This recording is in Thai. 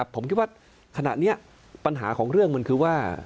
ผมคิดว่าขณะนี้ปัญหาของเรื่องมันคือว่า